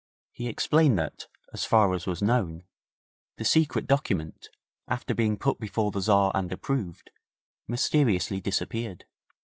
He explained that, as far as was known, the secret document, after being put before the Tzar and approved, mysteriously disappeared.